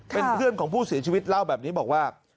เป็นเพื่อนของผู้เสียชีวิตเล่าแบบนี้บอกว่า